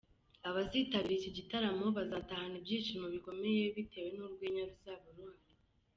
Abazitabira iki gitaramo bazatahana ibyishimo bikomeye bitewe n'urwenya ruzaba ruhari.